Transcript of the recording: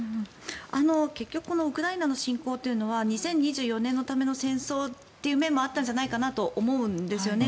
結局、ウクライナの侵攻というのは２０２４年のための戦争という面もあったんじゃないかなと思うんですよね。